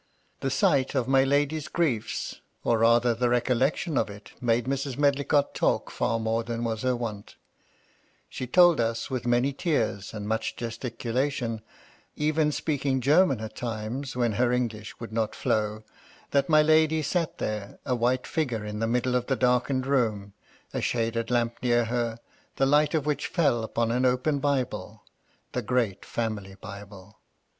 The sight of my lady's griefe, or rather the recollection of VOL. L N 266 MY LADY LUDLOW. it, made Mrs. Medlioott talk far more than was her wont She told us^ with many tears, and much gesti culation, even speaking German at times, when her English would not flow, that my lady sat there, a white figure in the middle of the darkened room ; a shaded lamp near her, the light of which fell on an open Bible, — the great &mily Bible.